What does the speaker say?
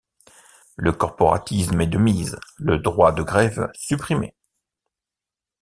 Le corporatisme est de mise, le droit de grève supprimé.